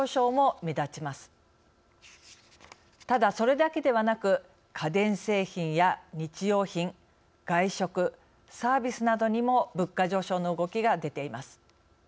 ただそれだけではなく家電製品や日用品外食サービスなどにも物価上昇の動きが出ています。